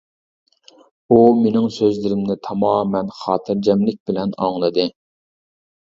ئۇ مېنىڭ سۆزلىرىمنى تامامەن خاتىرجەملىك بىلەن ئاڭلىدى.